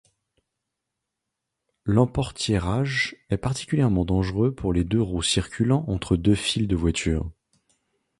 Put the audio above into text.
L'emportiérage est particulièrement dangereux pour les deux-roues circulant entre deux files de voitures.